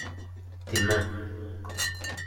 Tes mains.